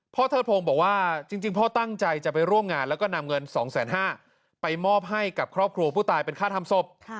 เทิดพงศ์บอกว่าจริงพ่อตั้งใจจะไปร่วมงานแล้วก็นำเงิน๒๕๐๐ไปมอบให้กับครอบครัวผู้ตายเป็นค่าทำศพ